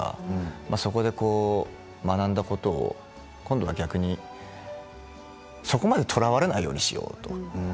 そこで学んだことを、今度は逆にそこまでとらわれないようにしようと。